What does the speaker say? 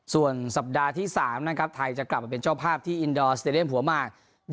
ส่วนสัปดาห์ที่๓นะครับไทยจะกลับมาเป็นเจ้าภาพที่อินดอร์สเตรียมหัวมาก